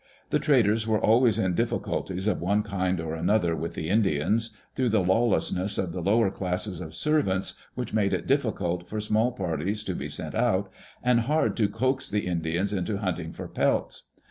The traders were always in difficulties of one kind or another with the Indians, through the lawlessness of the lower classes of servants, which made it difficult for small parties to be sent out, and hard to coax the Indians into hunting for pelts.